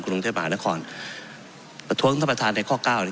กรุงเทพมหานครประท้วงท่านประธานในข้อเก้า